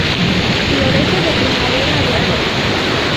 Florece de primavera a verano.